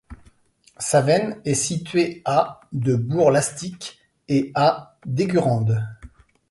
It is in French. Savennes est située à de Bourg-Lastic et à d'Eygurande.